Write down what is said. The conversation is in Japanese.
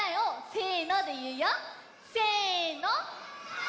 せの！